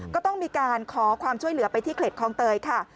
ก็ต้องมีการขอความช่วยเหลือไปที่เขตคลองเตยค่ะ